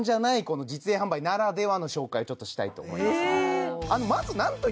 この実演販売ならではの紹介ちょっとしたいと思いますえ